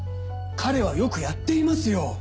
彼はよくやっていますよ。